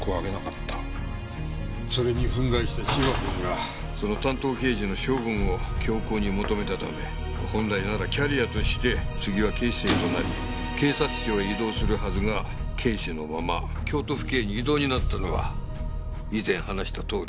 それに憤慨した芝君がその担当刑事の処分を強硬に求めたため本来ならキャリアとして次は警視正となり警察庁へ異動するはずが警視のまま京都府警に異動になったのは以前話したとおりだ。